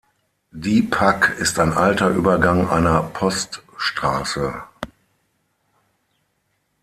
Die Pack ist ein alter Übergang einer Poststraße.